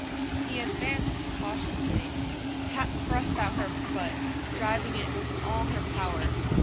He advanced cautiously; Pat thrust out her foot, driving it with all her power.